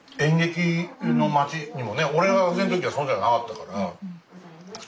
俺が学生の時はそうじゃなかったから。